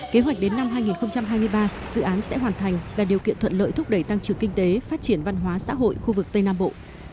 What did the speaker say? kế hoạch đến năm hai nghìn hai mươi ba dự án sẽ hoàn thành và điều kiện thuận lợi thúc đẩy tăng trưởng kinh tế phát triển văn hóa xã hội khu vực tây nam bộ